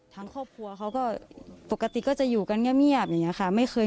ทั้งครอบครัวเขาก็ปกติก็จะอยู่กันเงี้ยเงียบอย่างนี้ค่ะไม่เคย